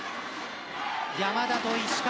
山田と石川